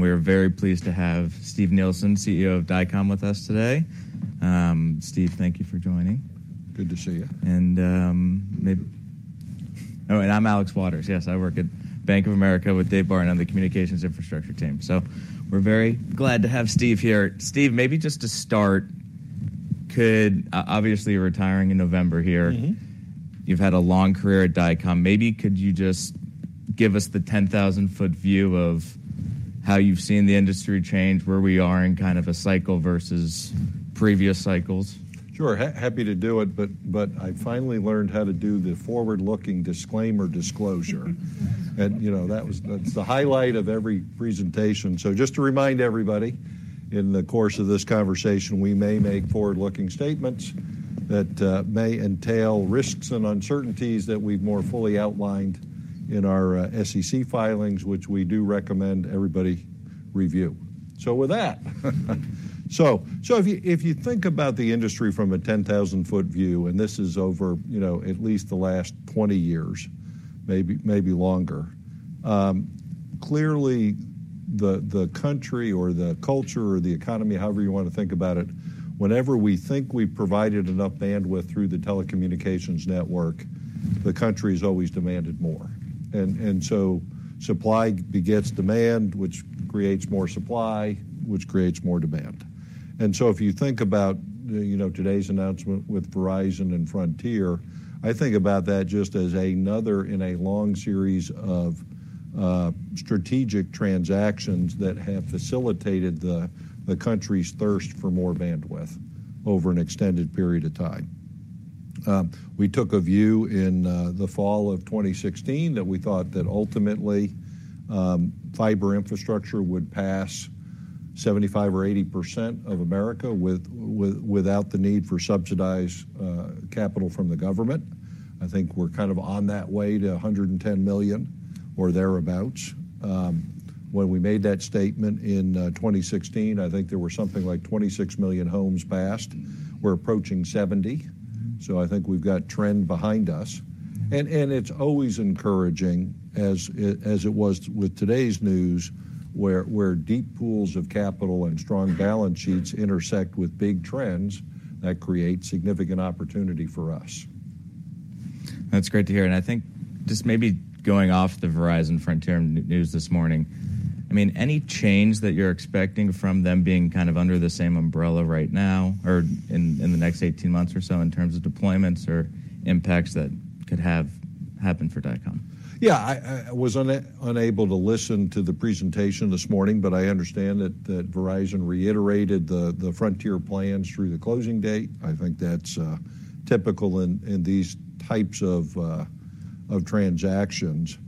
We are very pleased to have Steve Nielsen, CEO of Dycom, with us today. Steve, thank you for joining. Good to see you. Oh, and I'm Alex Waters. Yes, I work at Bank of America with David Barden on the communications infrastructure team. So we're very glad to have Steve here. Steve, maybe just to start, could obviously you're retiring in November here. Mm-hmm. You've had a long career at Dycom. Maybe could you just give us the ten-thousand-foot view of how you've seen the industry change, where we are in kind of a cycle versus previous cycles? Sure, happy to do it, but I finally learned how to do the forward-looking disclaimer disclosure. You know, that was, that's the highlight of every presentation. So just to remind everybody, in the course of this conversation, we may make forward-looking statements that may entail risks and uncertainties that we've more fully outlined in our SEC filings, which we do recommend everybody review. So with that, if you think about the industry from a ten-thousand-foot view, and this is over, you know, at least the last twenty years, maybe longer, clearly, the country or the culture or the economy, however you want to think about it, whenever we think we've provided enough bandwidth through the telecommunications network, the country's always demanded more. And so supply begets demand, which creates more supply, which creates more demand. If you think about, you know, today's announcement with Verizon and Frontier, I think about that just as another in a long series of strategic transactions that have facilitated the country's thirst for more bandwidth over an extended period of time. We took a view in the fall of 2016 that we thought that ultimately fiber infrastructure would pass 75% or 80% of America without the need for subsidized capital from the government. I think we're kind of on that way to 110 million or thereabouts. When we made that statement in 2016, I think there were something like 26 million homes passed. We're approaching 70, so I think we've got trend behind us, and it's always encouraging, as it was with today's news, where deep pools of capital and strong balance sheets intersect with big trends that create significant opportunity for us. That's great to hear, and I think just maybe going off the Verizon-Frontier news this morning, I mean, any change that you're expecting from them being kind of under the same umbrella right now or in the next eighteen months or so in terms of deployments or impacts that could happen for Dycom? Yeah, I was unable to listen to the presentation this morning, but I understand that Verizon reiterated the Frontier plans through the closing date. I think that's typical in these types of transactions.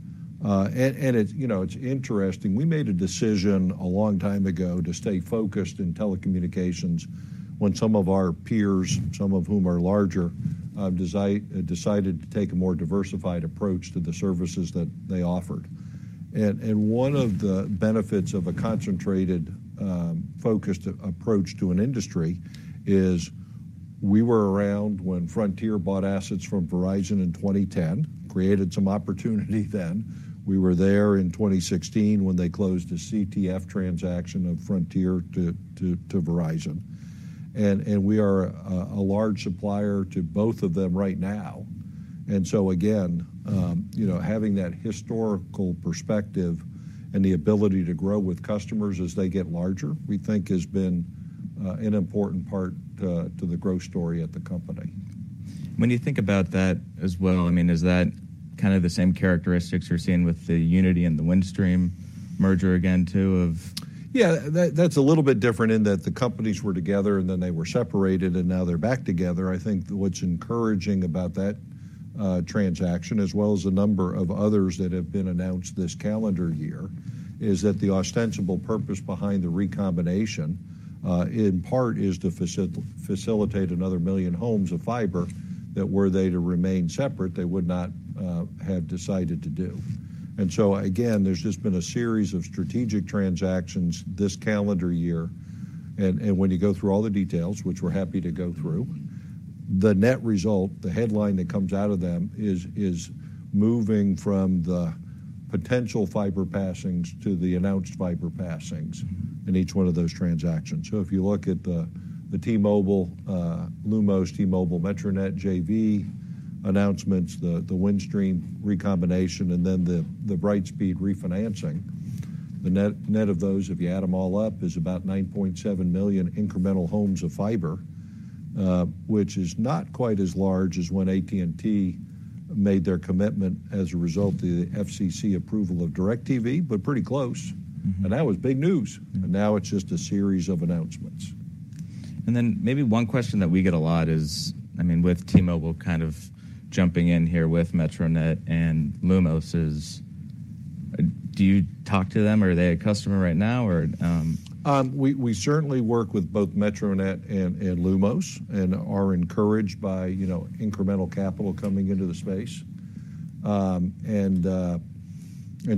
And it, you know, it's interesting, we made a decision a long time ago to stay focused in telecommunications when some of our peers, some of whom are larger, decided to take a more diversified approach to the services that they offered. And one of the benefits of a concentrated, focused approach to an industry is we were around when Frontier bought assets from Verizon in 2010, created some opportunity then. We were there in 2016 when they closed the CTF transaction of Frontier to Verizon, and we are a large supplier to both of them right now. And so again, you know, having that historical perspective and the ability to grow with customers as they get larger, we think has been an important part to the growth story at the company. When you think about that as well, I mean, is that kind of the same characteristics you're seeing with the Uniti and the Windstream merger again, too? Yeah, that's a little bit different in that the companies were together, and then they were separated, and now they're back together. I think what's encouraging about that transaction, as well as a number of others that have been announced this calendar year, is that the ostensible purpose behind the recombination, in part, is to facilitate another million homes of fiber, that were they to remain separate, they would not have decided to do. And so again, there's just been a series of strategic transactions this calendar year, and when you go through all the details, which we're happy to go through, the net result, the headline that comes out of them, is moving from the potential fiber passings to the announced fiber passings in each one of those transactions. So if you look at the T-Mobile, Lumos, T-Mobile, Metronet JV announcements, the Windstream recombination, and then the Brightspeed refinancing, the net of those, if you add them all up, is about 9.7 million incremental homes of fiber, which is not quite as large as when AT&T made their commitment as a result of the FCC approval of DirecTV, but pretty close. Mm-hmm. That was big news. Mm. Now it's just a series of announcements. Maybe one question that we get a lot is, I mean, with T-Mobile kind of jumping in here with Metronet and Lumos, is do you talk to them? Are they a customer right now or We certainly work with both Metronet and Lumos and are encouraged by, you know, incremental capital coming into the space, and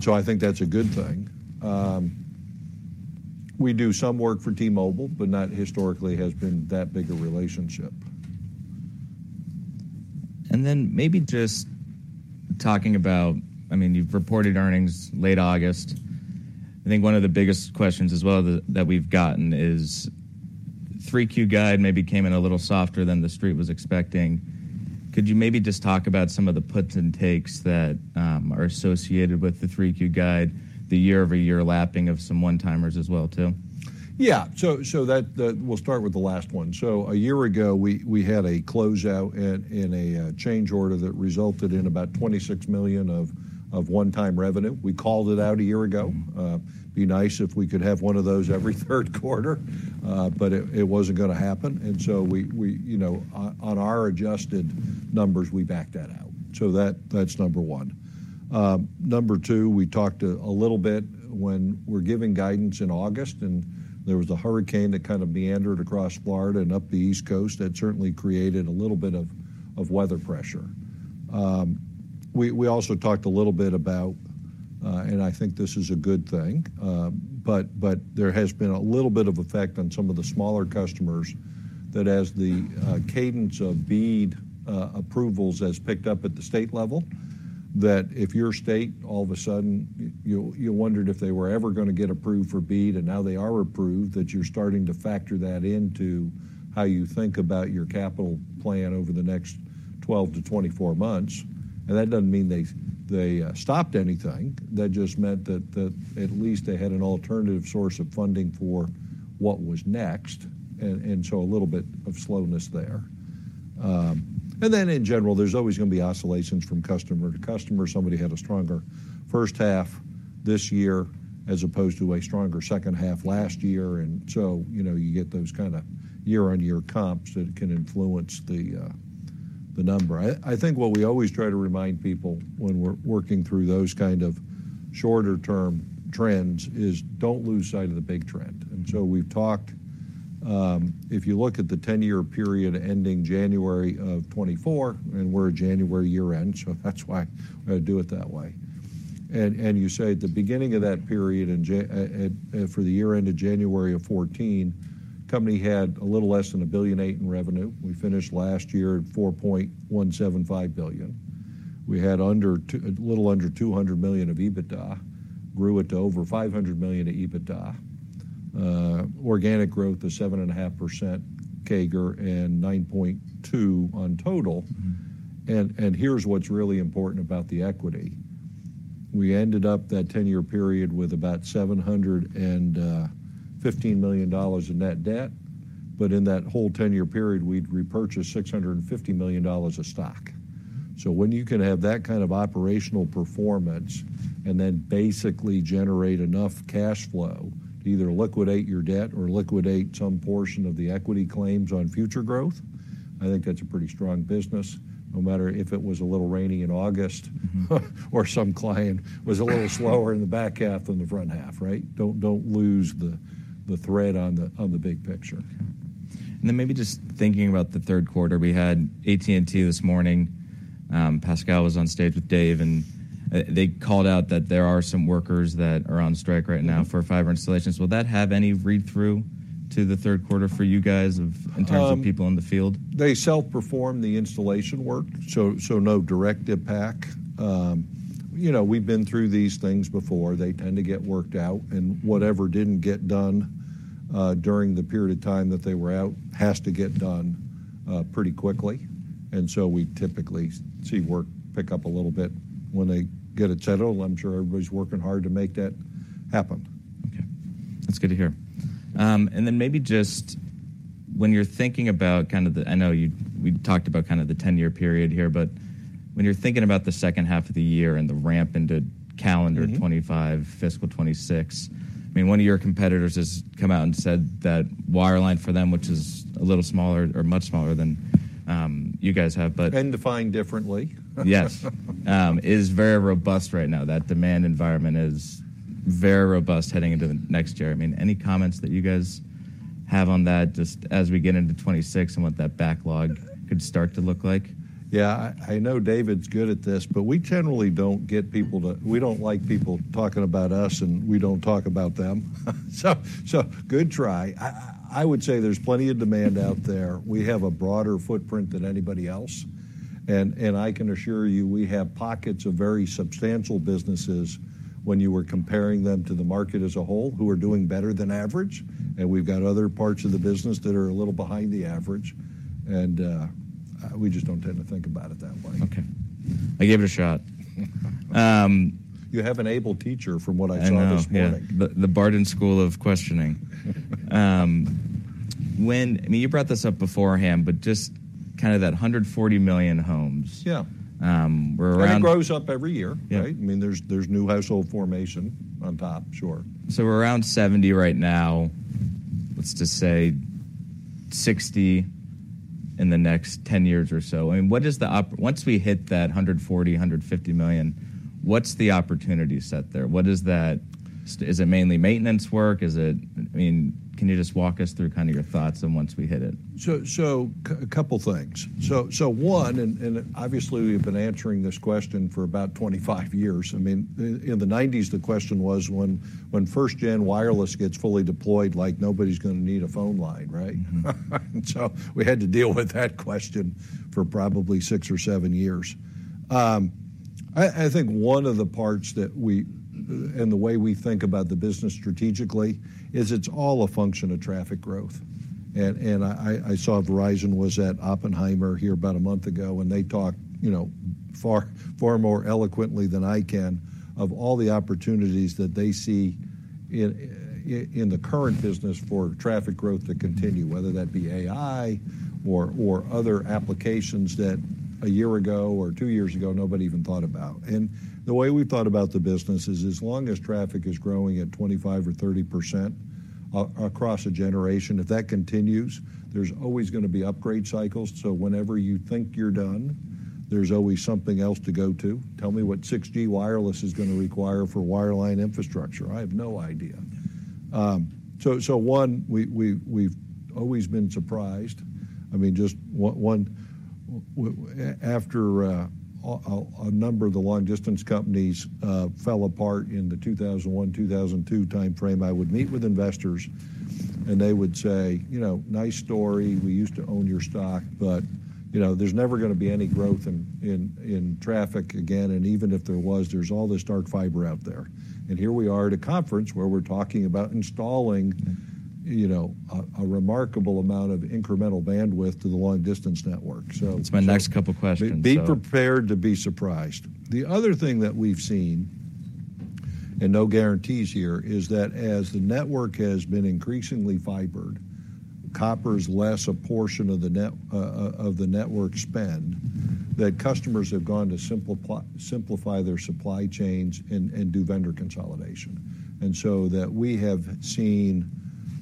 so I think that's a good thing. We do some work for T-Mobile, but not historically has been that big a relationship. And then maybe just talking about, I mean, you've reported earnings late August. I think one of the biggest questions as well that we've gotten is, 3Q guide maybe came in a little softer than the street was expecting. Could you maybe just talk about some of the puts and takes that are associated with the 3Q guide, the year-over-year lapping of some one-timers as well, too? Yeah. So that the—we'll start with the last one. So a year ago, we had a closeout and a change order that resulted in about $26 million of one-time revenue. We called it out a year ago, be nice if we could have one of those every third quarter, but it wasn't gonna happen, and so we, you know, on our adjusted numbers, we backed that out. So that's number one. Number two, we talked a little bit when we're giving guidance in August, and there was a hurricane that kind of meandered across Florida and up the East Coast that certainly created a little bit of weather pressure. We also talked a little bit about, and I think this is a good thing, but there has been a little bit of effect on some of the smaller customers that as the cadence of BEAD approvals has picked up at the state level, that if your state all of a sudden you wondered if they were ever gonna get approved for BEAD, and now they are approved, that you're starting to factor that into how you think about your capital plan over the next 12-24 months. And that doesn't mean they stopped anything. That just meant that at least they had an alternative source of funding for what was next, and so a little bit of slowness there. And then in general, there's always gonna be oscillations from customer to customer. Somebody had a stronger first half this year as opposed to a stronger second half last year, and so, you know, you get those kind of year-on-year comps that can influence the, the number. I think what we always try to remind people when we're working through those kind of shorter-term trends is: Don't lose sight of the big trend. And so we've talked. If you look at the ten-year period ending January of 2024, and we're a January year-end, so that's why we do it that way. And you say at the beginning of that period in January for the year end of January of 2014, the company had a little less than $1.8 billion in revenue. We finished last year at $4.175 billion. We had a little under $200 million of EBITDA, grew it to over $500 million of EBITDA. Organic growth of 7.5% CAGR and 9.2 on total, and here's what's really important about the equity. We ended up that ten-year period with about $715 million in net debt, but in that whole ten-year period, we'd repurchased $650 million of stock. So when you can have that kind of operational performance and then basically generate enough cash flow to either liquidate your debt or liquidate some portion of the equity claims on future growth, I think that's a pretty strong business, no matter if it was a little rainy in August or some client was a little slower in the back half than the front half, right? Don't lose the thread on the big picture. Then maybe just thinking about the third quarter, we had AT&T this morning. Pascal was on stage with Dave, and they called out that there are some workers that are on strike right now for fiber installations. Will that have any read-through to the third quarter for you guys of- Um- in terms of people in the field? They self-perform the installation work, so no direct impact. You know, we've been through these things before. They tend to get worked out, and whatever didn't get done during the period of time that they were out has to get done pretty quickly, and so we typically see work pick up a little bit when they get it settled. I'm sure everybody's working hard to make that happen. Okay, that's good to hear. And then maybe just when you're thinking about kind of the... I know you, we talked about kind of the ten-year period here, but when you're thinking about the second half of the year and the ramp into calendar 2025, fiscal 2026, I mean, one of your competitors has come out and said that wireline for them, which is a little smaller or much smaller than you guys have, but Tend to define differently. Yes. It's very robust right now. That demand environment is very robust heading into the next year. I mean, any comments that you guys have on that, just as we get into 2026 and what that backlog could start to look like? Yeah, I know David's good at this, but we generally don't get people to. We don't like people talking about us, and we don't talk about them. So, good try. I would say there's plenty of demand out there. We have a broader footprint than anybody else, and I can assure you, we have pockets of very substantial businesses when you are comparing them to the market as a whole who are doing better than average, and we've got other parts of the business that are a little behind the average, and we just don't tend to think about it that way. Okay. I gave it a shot. You have an able teacher from what I saw this morning. I know, yeah, the Barden School of Questioning. I mean, you brought this up beforehand, but just kind of that hundred and forty million homes. Yeah. We're around- It grows up every year. Yeah. Right? I mean, there's new household formation on top. Sure. So we're around 70 right now. Let's just say 60 in the next 10 years or so. I mean, what is the opportunity once we hit that 140, 150 million, what's the opportunity set there? What is that? So is it mainly maintenance work? Is it... I mean, can you just walk us through kind of your thoughts on once we hit it? A couple things: one, obviously, we've been answering this question for about 25 years. I mean, in the 1990s, the question was, when first-gen wireless gets fully deployed, like, nobody's gonna need a phone line, right? Mm-hmm. And so we had to deal with that question for probably six or seven years. I think one of the parts that we and the way we think about the business strategically is it's all a function of traffic growth. And I saw Verizon was at Oppenheimer here about a month ago, and they talked, you know, far more eloquently than I can of all the opportunities that they see in the current business for traffic growth to continue, whether that be AI or other applications that a year ago or two years ago, nobody even thought about. And the way we thought about the business is, as long as traffic is growing at 25% or 30% across a generation, if that continues, there's always gonna be upgrade cycles. Whenever you think you're done, there's always something else to go to. Tell me what 6G wireless is gonna require for wireline infrastructure. I have no idea. One, we've always been surprised. I mean, just one after a number of the long distance companies fell apart in the 2001, 2002 time frame, I would meet with investors, and they would say: "You know, nice story. We used to own your stock, but, you know, there's never gonna be any growth in traffic again, and even if there was, there's all this dark fiber out there." Here we are at a conference where we're talking about installing, you know, a remarkable amount of incremental bandwidth to the long distance network so- That's my next couple questions, so. Be prepared to be surprised. The other thing that we've seen, and no guarantees here, is that as the network has been increasingly fibered, copper's less a portion of the net, of the network spend, that customers have gone to simplify their supply chains and do vendor consolidation, and so that we have seen,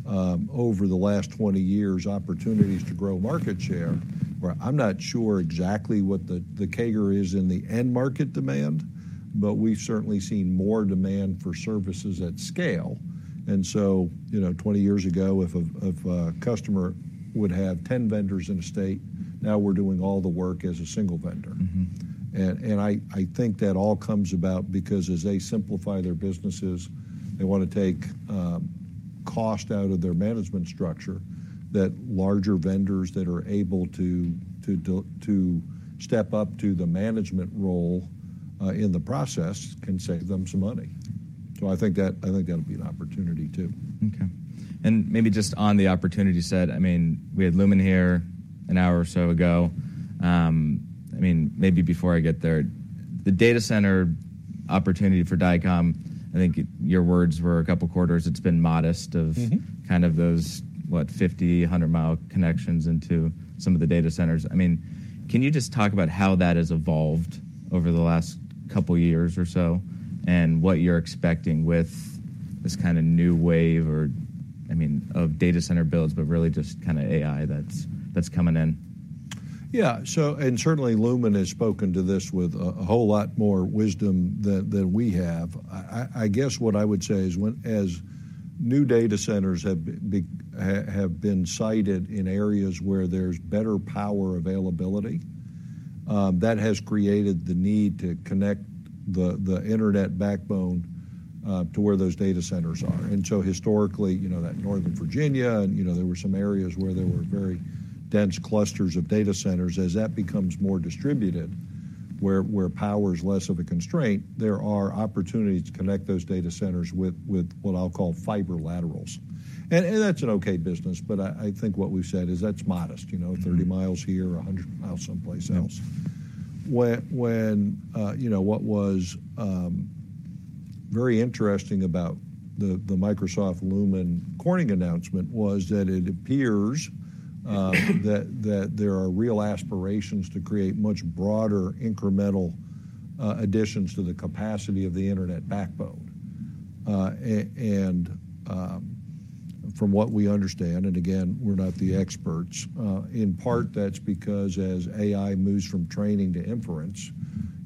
over the last 20 years, opportunities to grow market share, where I'm not sure exactly what the CAGR is in the end market demand, but we've certainly seen more demand for services at scale, and so, you know, 20 years ago, if a customer would have 10 vendors in a state, now we're doing all the work as a single vendor. I think that all comes about because as they simplify their businesses, they want to take cost out of their management structure. Larger vendors that are able to step up to the management role in the process can save them some money. So I think that, I think that'll be an opportunity, too. Okay. And maybe just on the opportunity set, I mean, we had Lumen here an hour or so ago. I mean, maybe before I get there, the data center opportunity for Dycom, I think your words were a couple of quarters, it's been modest of kind of those 50- or 100-mile connections into some of the data centers. I mean, can you just talk about how that has evolved over the last couple of years or so, and what you're expecting with this kind of new wave or, I mean, of data center builds, but really just kind of AI that's coming in? Yeah, so and certainly, Lumen has spoken to this with a whole lot more wisdom than we have. I guess what I would say is, as new data centers have been sited in areas where there's better power availability, that has created the need to connect the internet backbone to where those data centers are. And so historically, you know that Northern Virginia and, you know, there were some areas where there were very dense clusters of data centers. As that becomes more distributed, where power is less of a constraint, there are opportunities to connect those data centers with what I'll call fiber laterals. And that's an okay business, but I think what we've said is that's modest, you know, 30 mi here, 100 mi someplace else. Yeah. When you know, what was very interesting about the Microsoft Lumen Corning announcement was that it appears that there are real aspirations to create much broader, incremental additions to the capacity of the Internet backbone. From what we understand, and again, we're not the experts, in part that's because as AI moves from training to inference,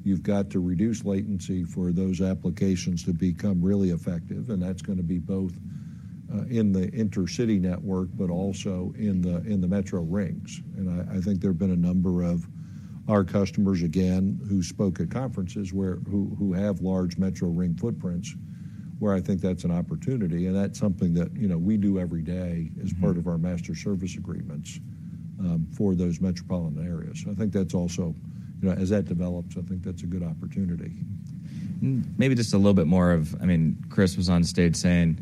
you've got to reduce latency for those applications to become really effective, and that's gonna be both in the intercity network, but also in the metro rings. And I think there have been a number of our customers, again, who spoke at conferences, who have large metro ring footprints, where I think that's an opportunity, and that's something that, you know, we do every day as part of our master service agreements for those metropolitan areas. So I think that's also, you know, as that develops, I think that's a good opportunity. Maybe just a little bit more. I mean, Chris was on stage saying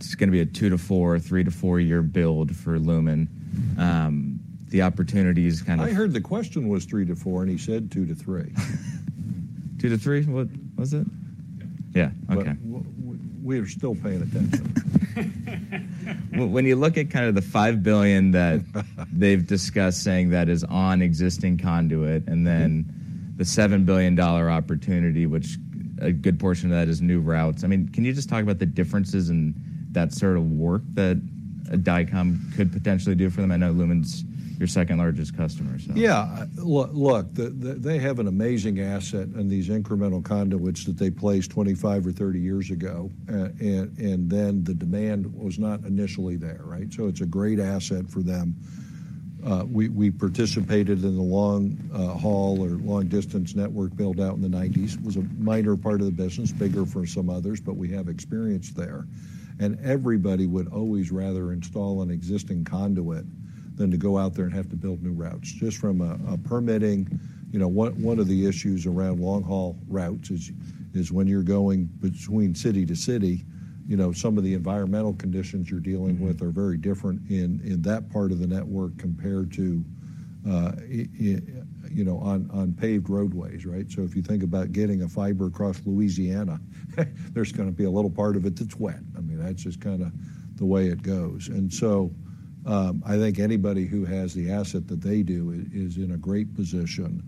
it's gonna be a two to four, three to four-year build for Lumen. The opportunity is kind of- I heard the question was three to four, and he said two to three. Two to three, what was it? Yeah. Yeah. Okay. We're still paying attention. When you look at kind of the $5 billion that they've discussed, saying that is on existing conduit, and then the $7 billion opportunity, which a good portion of that is new routes. I mean, can you just talk about the differences in that sort of work that Dycom could potentially do for them? I know Lumen's your second-largest customer, so. Yeah. Look, they have an amazing asset in these incremental conduits that they placed twenty-five or thirty years ago, and then the demand was not initially there, right? So it's a great asset for them. We participated in the long-haul or long-distance network build-out in the nineties. It was a minor part of the business, bigger for some others, but we have experience there. And everybody would always rather install an existing conduit than to go out there and have to build new routes, just from a permitting. You know, one of the issues around long-haul routes is when you're going between city to city, you know, some of the environmental conditions you're dealing with. Mm-hmm. They're very different in that part of the network compared to you know, on paved roadways, right? So if you think about getting a fiber across Louisiana, there's gonna be a little part of it that's wet. I mean, that's just kinda the way it goes. And so, I think anybody who has the asset that they do is in a great position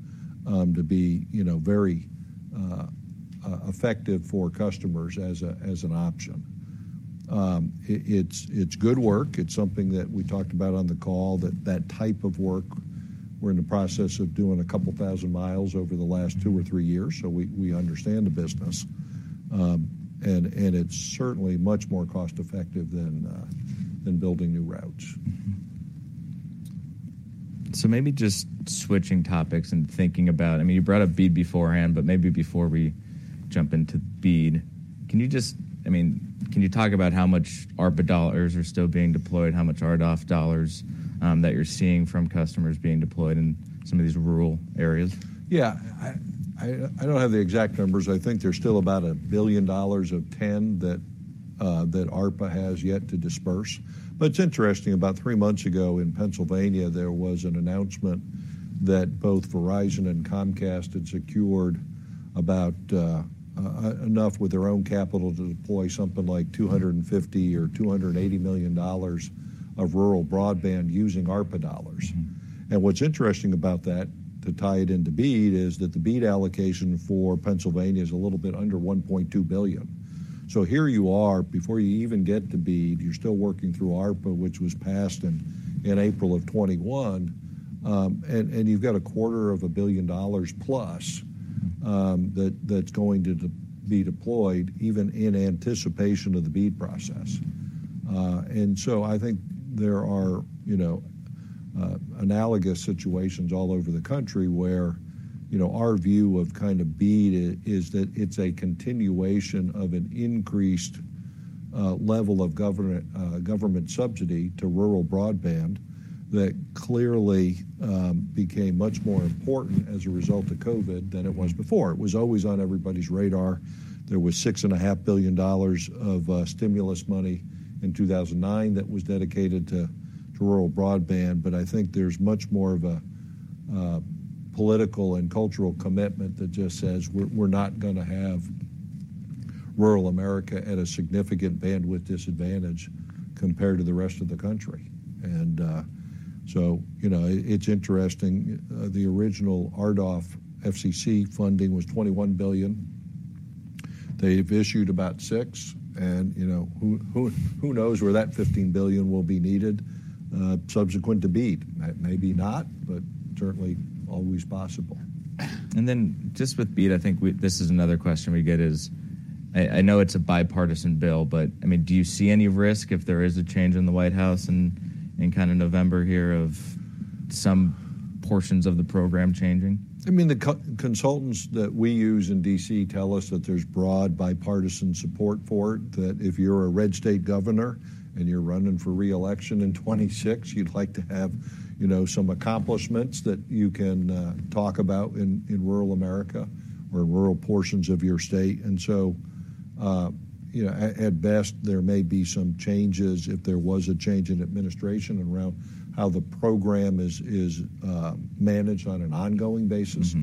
to be, you know, very effective for customers as an option. It's good work. It's something that we talked about on the call, that type of work, we're in the process of doing a couple thousand miles over the last two or three years, so we understand the business. And it's certainly much more cost-effective than building new routes. Mm-hmm. So maybe just switching topics and thinking about... I mean, you brought up BEAD beforehand, but maybe before we jump into BEAD, can you just-- I mean, can you talk about how much ARPA dollars are still being deployed, how much RDOF dollars, that you're seeing from customers being deployed in some of these rural areas? Yeah. I don't have the exact numbers. I think there's still about $1 billion of ten that ARPA has yet to disburse. But it's interesting, about three months ago in Pennsylvania, there was an announcement that both Verizon and Comcast had secured about enough with their own capital to deploy something like $250 million-$280 million of rural broadband using ARPA dollars. Mm-hmm. What's interesting about that, to tie it into BEAD, is that the BEAD allocation for Pennsylvania is a little bit under $1.2 billion. So here you are, before you even get to BEAD, you're still working through ARPA, which was passed in April of 2021, and you've got $250 million plus that, that's going to be deployed even in anticipation of the BEAD process. And so I think there are, you know, analogous situations all over the country where, you know, our view of kind of BEAD is that it's a continuation of an increased level of government subsidy to rural broadband that clearly became much more important as a result of COVID than it was before. It was always on everybody's radar. There was $6.5 billion of stimulus money in 2009 that was dedicated to rural broadband, but I think there's much more of a political and cultural commitment that just says, "We're not gonna have rural America at a significant bandwidth disadvantage compared to the rest of the country." And so, you know, it's interesting. The original RDOF FCC funding was $21 billion. They've issued about $6 billion, and, you know, who knows where that $15 billion will be needed, subsequent to BEAD? Maybe not, but certainly always possible. And then just with BEAD, I think we, this is another question we get, is I know it's a bipartisan bill, but I mean, do you see any risk if there is a change in the White House in kind of November here of some portions of the program changing? I mean, the consultants that we use in DC tell us that there's broad bipartisan support for it, that if you're a red state governor and you're running for re-election in twenty-six, you'd like to have, you know, some accomplishments that you can talk about in rural America or rural portions of your state. And so, you know, at best, there may be some changes if there was a change in administration around how the program is managed on an ongoing basis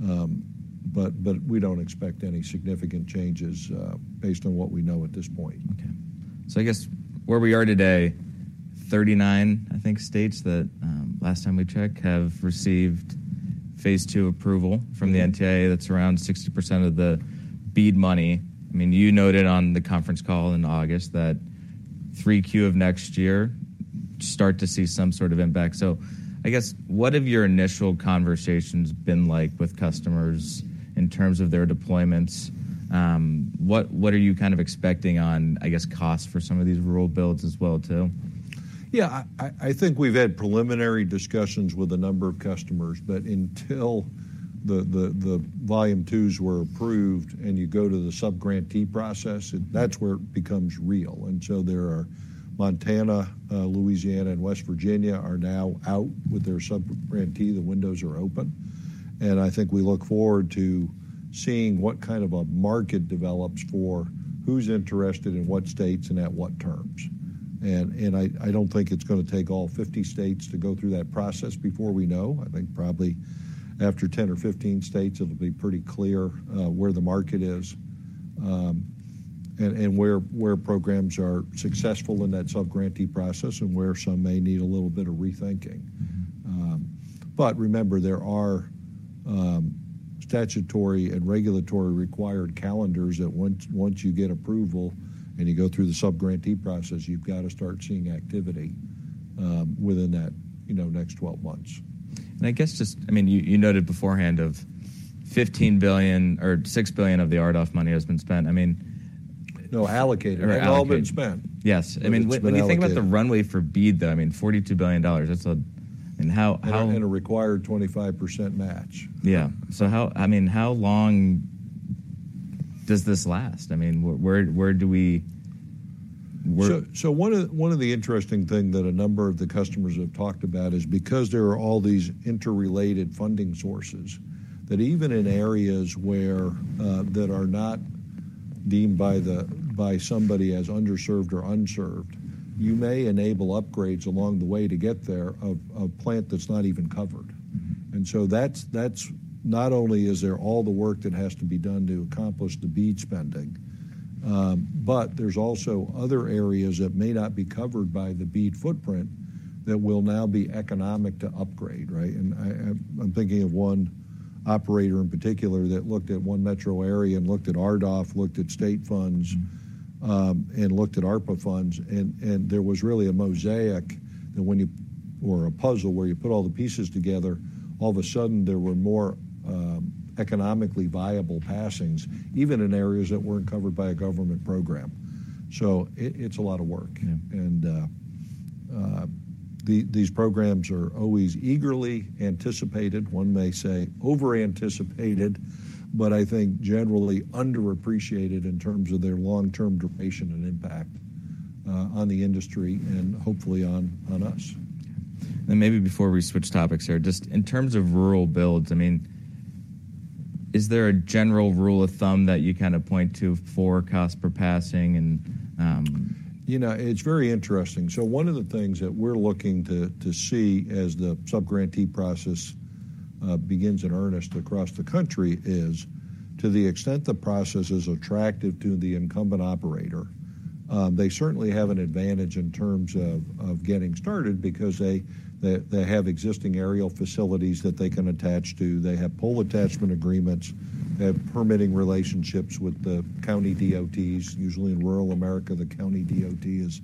but we don't expect any significant changes, based on what we know at this point. Okay, so I guess where we are today, 39, I think, states that last time we checked have received phase II approval from the NTIA. Mm-hmm. That's around 60% of the BEAD money. I mean, you noted on the conference call in August that 3Q of next year, start to see some sort of impact. So I guess, what have your initial conversations been like with customers in terms of their deployments? What are you kind of expecting on, I guess, cost for some of these rural builds as well? Yeah, I think we've had preliminary discussions with a number of customers, but until the Volume II's were approved and you go to the sub-grantee process, that's where it becomes real. And so there are Montana, Louisiana, and West Virginia are now out with their sub-grantee. The windows are open. And I think we look forward to seeing what kind of a market develops for who's interested in what states and at what terms. Mm-hmm. I don't think it's gonna take all 50 states to go through that process before we know. I think probably after 10 or 15 states, it'll be pretty clear where the market is and where programs are successful in that sub-grantee process and where some may need a little bit of rethinking. Mm-hmm. But remember, there are statutory and regulatory required calendars that once you get approval and you go through the sub-grantee process, you've got to start seeing activity within that, you know, next twelve months. And I guess just... I mean, you noted beforehand of $15 billion or six billion of the RDOF money has been spent. I mean- No, allocated. Right, allocated. It's all been spent. Yes. I mean, It's been allocated. When you think about the runway for BEAD, though, I mean, $42 billion, that's a... And how, how- A required 25% match. Yeah. So I mean, how long does this last? I mean, where do we- So one of the interesting thing that a number of the customers have talked about is because there are all these interrelated funding sources, that even in areas where that are not deemed by somebody as underserved or unserved, you may enable upgrades along the way to get there of plant that's not even covered. Mm-hmm. And so that's not only is there all the work that has to be done to accomplish the BEAD spending, but there's also other areas that may not be covered by the BEAD footprint that will now be economic to upgrade, right? And I'm thinking of one operator in particular that looked at one metro area and looked at RDOF, looked at state funds- Mm. and looked at ARPA funds, and there was really a mosaic or a puzzle where you put all the pieces together, all of a sudden there were more economically viable passings, even in areas that weren't covered by a government program. So it, it's a lot of work. Yeah. And these programs are always eagerly anticipated, one may say over-anticipated, but I think generally underappreciated in terms of their long-term duration and impact on the industry and hopefully on us. And maybe before we switch topics here, just in terms of rural builds, I mean, is there a general rule of thumb that you kind of point to for cost per passing and? You know, it's very interesting. So one of the things that we're looking to see as the sub-grantee process begins in earnest across the country is, to the extent the process is attractive to the incumbent operator, they certainly have an advantage in terms of getting started because they have existing aerial facilities that they can attach to. They have pole attachment agreements, they have permitting relationships with the county DOTs. Usually in rural America, the county DOT is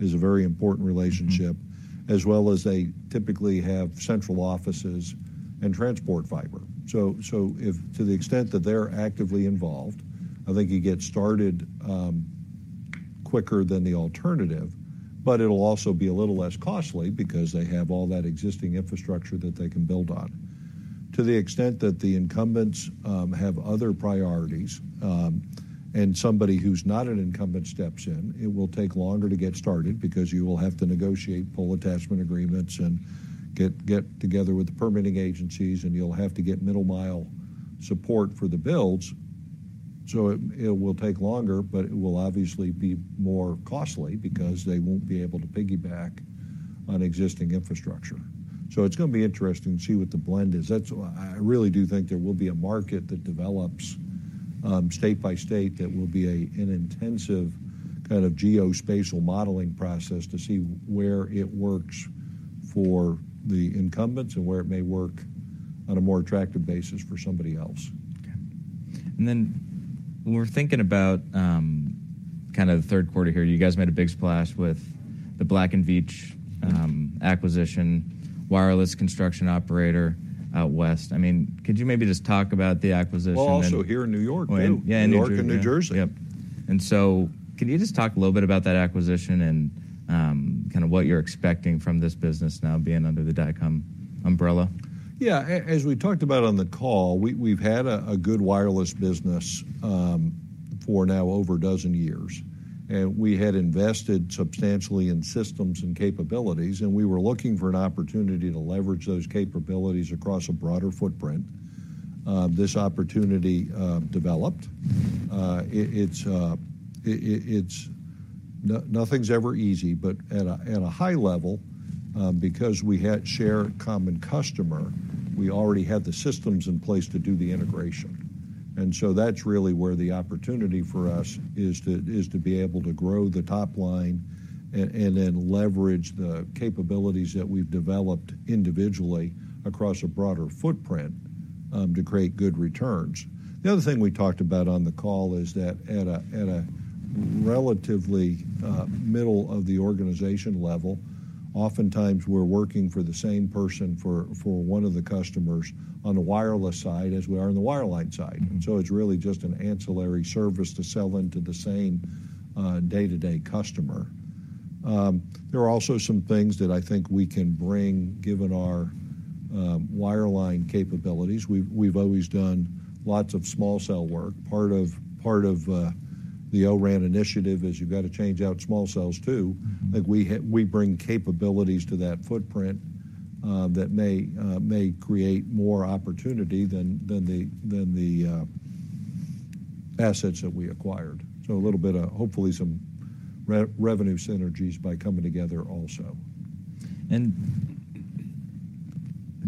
a very important relationship. Mm-hmm. as well as they typically have central offices and transport fiber. So if to the extent that they're actively involved, I think you get started quicker than the alternative, but it'll also be a little less costly because they have all that existing infrastructure that they can build on. To the extent that the incumbents have other priorities, and somebody who's not an incumbent steps in, it will take longer to get started because you will have to negotiate pole attachment agreements and get together with the permitting agencies, and you'll have to get middle mile support for the builds. So it will take longer, but it will obviously be more costly because they won't be able to piggyback on existing infrastructure. So it's gonna be interesting to see what the blend is. That's why I really do think there will be a market that develops, state by state, that will be an intensive kind of geospatial modeling process to see where it works for the incumbents and where it may work on a more attractive basis for somebody else. Okay. And then when we're thinking about, kind of the third quarter here, you guys made a big splash with the Black & Veatch, acquisition, wireless construction operator out West. I mean, could you maybe just talk about the acquisition and- Also here in New York, too. Yeah, in New York. New York and New Jersey. Yep. And so could you just talk a little bit about that acquisition and, kind of what you're expecting from this business now being under the Dycom umbrella? Yeah. As we talked about on the call, we've had a good wireless business for now over a dozen years, and we had invested substantially in systems and capabilities, and we were looking for an opportunity to leverage those capabilities across a broader footprint. This opportunity developed. It's nothing's ever easy, but at a high level, because we had shared common customer, we already had the systems in place to do the integration. And so that's really where the opportunity for us is to be able to grow the top line and then leverage the capabilities that we've developed individually across a broader footprint to create good returns. The other thing we talked about on the call is that at a relatively middle of the organization level, oftentimes we're working for the same person for one of the customers on the wireless side as we are on the wireline side. Mm-hmm. So it's really just an ancillary service to sell into the same day-to-day customer. There are also some things that I think we can bring, given our wireline capabilities. We've always done lots of small cell work. Part of the O-RAN initiative is you've got to change out small cells, too. Mm-hmm. Like we bring capabilities to that footprint that may create more opportunity than the assets that we acquired. So a little bit of hopefully some revenue synergies by coming together also. I'm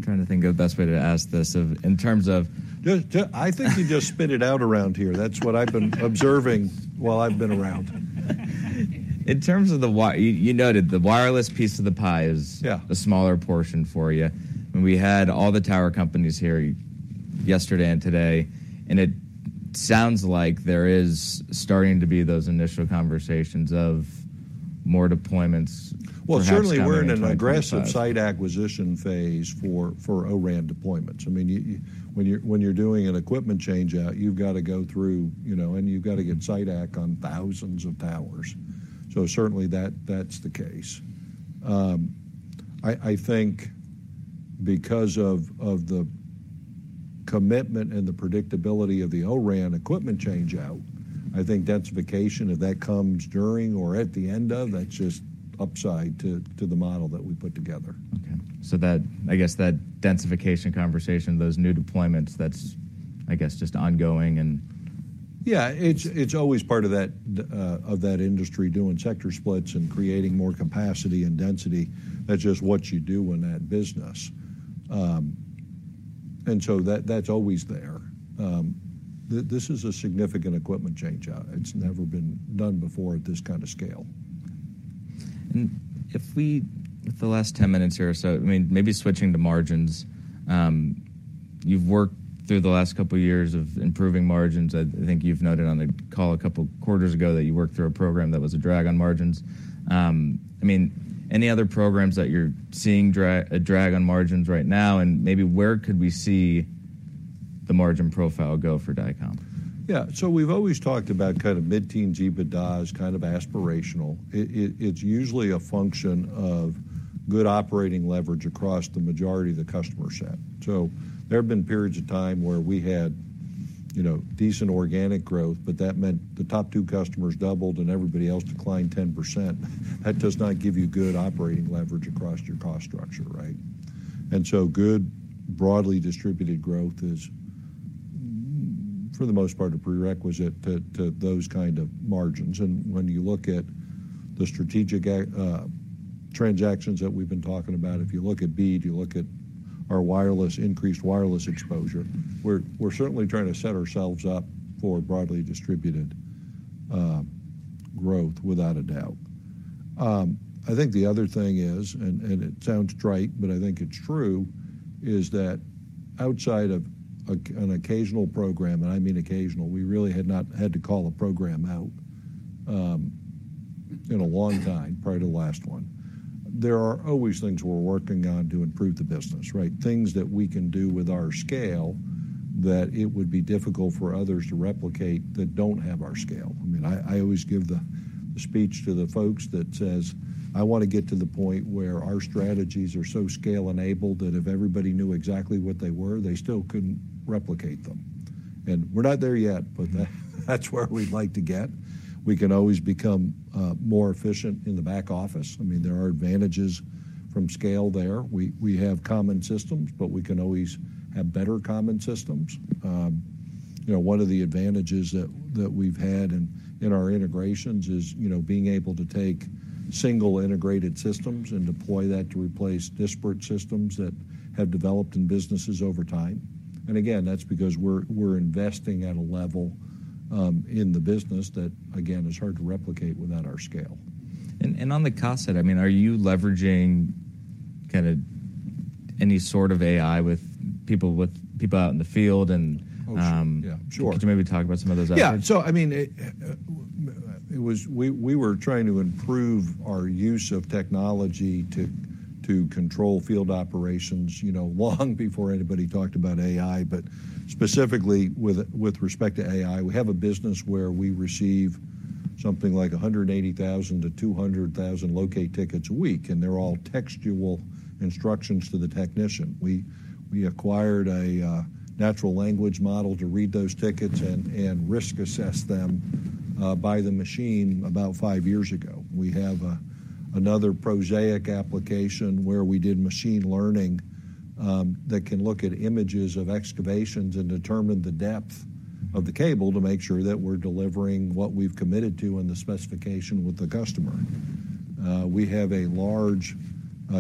trying to think of the best way to ask this. In terms of- Just... I think you just spit it out around here. That's what I've been observing while I've been around. In terms of the wireless, you noted the wireless piece of the pie is- Yeah a smaller portion for you. When we had all the tower companies here yesterday and today, and it sounds like there is starting to be those initial conversations of more deployments, perhaps. Certainly we're in an aggressive site acquisition phase for O-RAN deployments. I mean, you when you're doing an equipment change-out, you've got to go through, you know, and you've got to get site acquisition on thousands of towers. So certainly, that's the case. I think because of the commitment and the predictability of the O-RAN equipment change-out, I think densification, if that comes during or at the end of, that's just upside to the model that we put together. Okay. So that, I guess, that densification conversation, those new deployments, that's, I guess, just ongoing, and- Yeah, it's always part of that, of that industry doing sector splits and creating more capacity and density. That's just what you do in that business. And so that, that's always there. This is a significant equipment change-out. It's never been done before at this kind of scale. And if we, with the last ten minutes here or so, I mean, maybe switching to margins. You've worked through the last couple of years of improving margins. I think you've noted on the call a couple quarters ago that you worked through a program that was a drag on margins. I mean, any other programs that you're seeing a drag on margins right now, and maybe where could we see the margin profile go for Dycom? Yeah. So we've always talked about kind of mid-teen EBITDA as kind of aspirational. It's usually a function of good operating leverage across the majority of the customer set. So there have been periods of time where we had, you know, decent organic growth, but that meant the top two customers doubled and everybody else declined 10%. That does not give you good operating leverage across your cost structure, right? And so good, broadly distributed growth is, for the most part, a prerequisite to those kind of margins. And when you look at the strategic transactions that we've been talking about, if you look at BEAD, you look at our wireless, increased wireless exposure, we're certainly trying to set ourselves up for broadly distributed growth, without a doubt. I think the other thing is, and it sounds trite, but I think it's true, is that outside of an occasional program, and I mean occasional, we really had not had to call a program out, in a long time prior to the last one. There are always things we're working on to improve the business, right? Things that we can do with our scale, that it would be difficult for others to replicate that don't have our scale. I mean, I always give the speech to the folks that says: I want to get to the point where our strategies are so scale-enabled, that if everybody knew exactly what they were, they still couldn't replicate them. And we're not there yet, but that's where we'd like to get. We can always become more efficient in the back office. I mean, there are advantages from scale there. We have common systems, but we can always have better common systems. You know, one of the advantages that we've had in our integrations is, you know, being able to take single integrated systems and deploy that to replace disparate systems that have developed in businesses over time. And again, that's because we're investing at a level in the business that, again, is hard to replicate without our scale. On the cost side, I mean, are you leveraging kind of any sort of AI with people out in the field, and Oh, sure. Yeah, sure. Could you maybe talk about some of those efforts? Yeah. So, I mean, it. We were trying to improve our use of technology to control field operations, you know, long before anybody talked about AI. But specifically, with respect to AI, we have a business where we receive something like 180,000 to 200,000 locate tickets a week, and they're all textual instructions to the technician. We acquired a natural language model to read those tickets and risk assess them by the machine about five years ago. We have another prosaic application where we did machine learning that can look at images of excavations and determine the depth of the cable to make sure that we're delivering what we've committed to in the specification with the customer. We have a large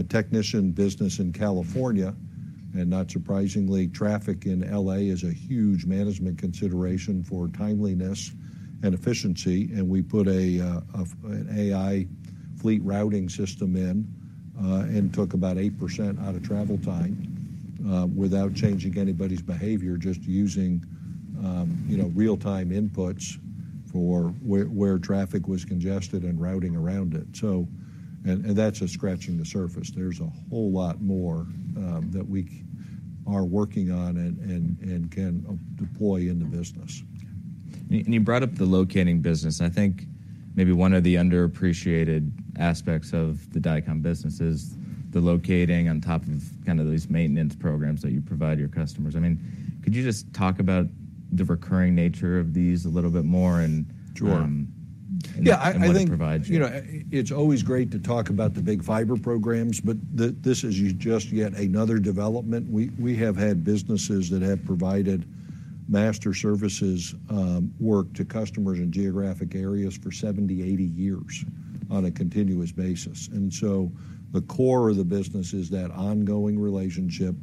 technician business in California, and not surprisingly, traffic in LA is a huge management consideration for timeliness and efficiency, and we put an AI fleet routing system in and took about 8% out of travel time without changing anybody's behavior, just using you know real-time inputs for where traffic was congested and routing around it. So, and that's just scratching the surface. There's a whole lot more that we are working on and can deploy in the business. And you brought up the locating business. I think maybe one of the underappreciated aspects of the Dycom business is the locating on top of kind of these maintenance programs that you provide your customers. I mean, could you just talk about the recurring nature of these a little bit more, and Sure. Yeah, I think, What it provides you? You know, it's always great to talk about the big fiber programs, but this is just yet another development. We have had businesses that have provided master services work to customers in geographic areas for 70, 80 years on a continuous basis. And so the core of the business is that ongoing relationship.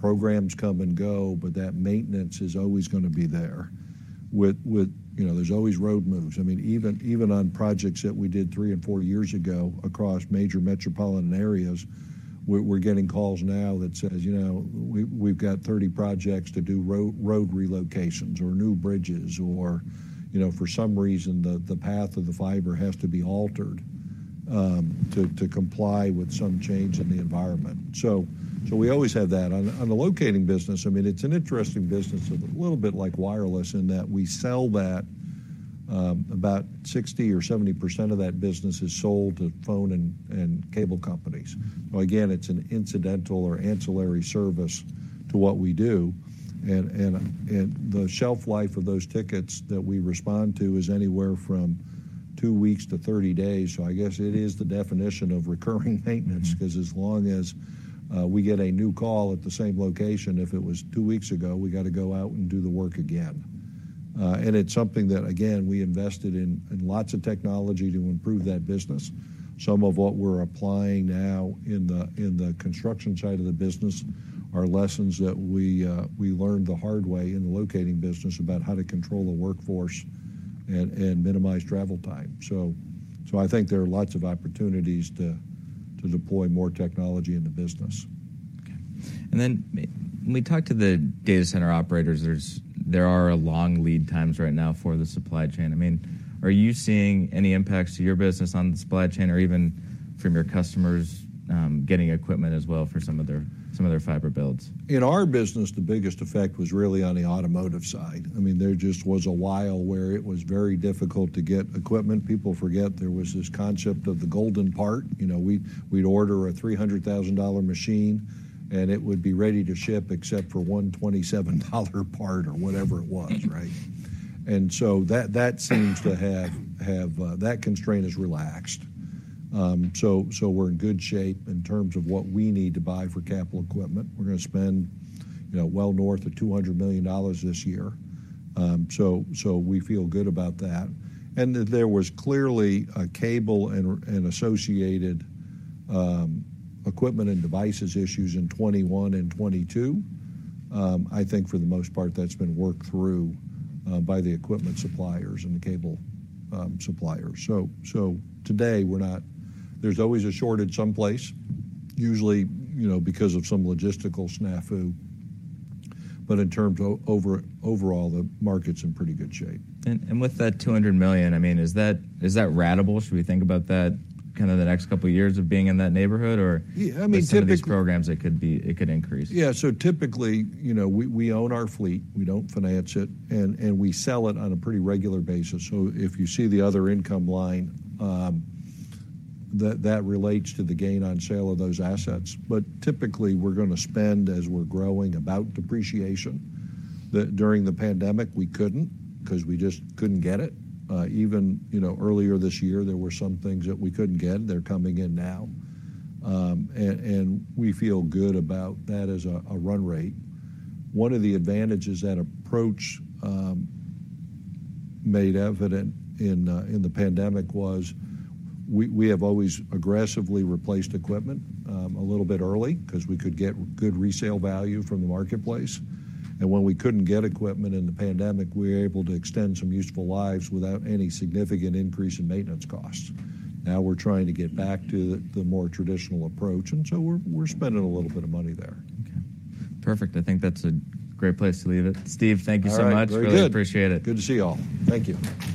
Programs come and go, but that maintenance is always gonna be there. You know, there's always road moves. I mean, even on projects that we did 3 and 4 years ago across major metropolitan areas, we're getting calls now that says, "You know, we've got 30 projects to do road relocations or new bridges," or, you know, for some reason, the path of the fiber has to be altered to comply with some change in the environment. So we always have that. On the locating business, I mean, it's an interesting business. It's a little bit like wireless, in that we sell that about 60% or 70% of that business is sold to phone and cable companies. So again, it's an incidental or ancillary service to what we do, and the shelf life of those tickets that we respond to is anywhere from two weeks to 30 days. So I guess it is the definition of recurring maintenance, 'cause as long as we get a new call at the same location, if it was two weeks ago, we gotta go out and do the work again. And it's something that, again, we invested in lots of technology to improve that business. Some of what we're applying now in the construction side of the business are lessons that we learned the hard way in the locating business about how to control the workforce and minimize travel time. So, I think there are lots of opportunities to deploy more technology in the business. Okay. And then when we talk to the data center operators, there are long lead times right now for the supply chain. I mean, are you seeing any impacts to your business on the supply chain or even from your customers getting equipment as well for some of their fiber builds? In our business, the biggest effect was really on the automotive side. I mean, there just was a while where it was very difficult to get equipment. People forget there was this concept of the golden part. You know, we'd order a $300,000 machine, and it would be ready to ship except for one $127 part or whatever it was, right? And so that seems to have... That constraint is relaxed. So, we're in good shape in terms of what we need to buy for capital equipment. We're gonna spend, you know, well north of $200 million this year. So, we feel good about that. And there was clearly a cable and associated equipment and devices issues in 2021 and 2022. I think for the most part, that's been worked through by the equipment suppliers and the cable suppliers. So today we're not. There's always a shortage someplace, usually, you know, because of some logistical snafu, but in terms of overall, the market's in pretty good shape. With that $200 million, I mean, is that ratable? Should we think about that kind of the next couple of years of being in that neighborhood, or- Yeah, I mean, typically- Some of these programs, it could be, it could increase. Yeah. So typically, you know, we own our fleet. We don't finance it, and we sell it on a pretty regular basis. So if you see the other income line, that relates to the gain on sale of those assets. But typically, we're gonna spend, as we're growing, about depreciation. During the pandemic, we couldn't, 'cause we just couldn't get it. Even, you know, earlier this year, there were some things that we couldn't get. They're coming in now, and we feel good about that as a run rate. One of the advantages that approach made evident in the pandemic was we have always aggressively replaced equipment a little bit early, 'cause we could get good resale value from the marketplace. and when we couldn't get equipment in the pandemic, we were able to extend some useful lives without any significant increase in maintenance costs. Now we're trying to get back to the more traditional approach, and so we're spending a little bit of money there. Okay. Perfect. I think that's a great place to leave it. Steve, thank you so much. All right. Very good. Really appreciate it. Good to see you all. Thank you.